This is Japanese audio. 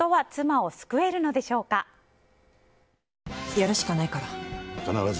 やるしかないから。